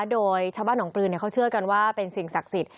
โดยชาวบ้านหนองปลือเขาเชื่อกันว่าเป็นสิ่งศักดิ์สิทธิ